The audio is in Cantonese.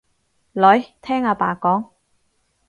女，聽阿爸講